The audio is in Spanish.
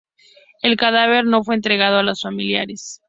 El cadáver no fue entregado a los familiares.